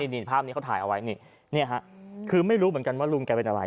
นี่ภาพนี้เขาถ่ายเอาไว้นี่คือไม่รู้เหมือนกันว่าลุงแกเป็นอะไร